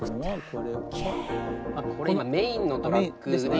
これメインのトラックですね。